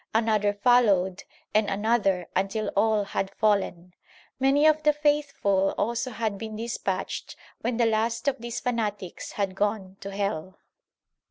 Another followed and another until all had fallen. Many of the faithful also had been dispatched when the last of these fanatics had gone to hell.